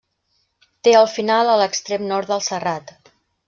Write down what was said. Té el final a l'extrem nord del serrat.